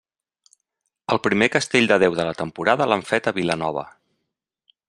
El primer castell de deu de la temporada l'han fet a Vilanova.